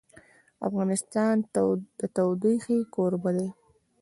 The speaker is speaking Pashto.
افغانستان د تودوخه کوربه دی.